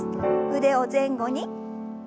腕を前後に。